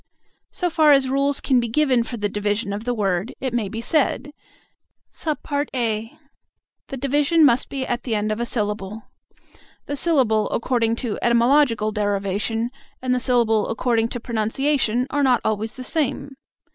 So far as rules can be given for the division of the word, it may be said: (a) The division must be at the end of a syllable. The syllable according to etymological derivation, and the syllable according to pronunciation, are not always the same.